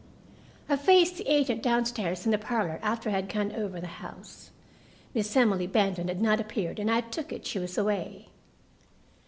I faced the agent downstairs in the parlor, after I had gone over the house. Miss Emily Benton had not appeared and I took it she was away.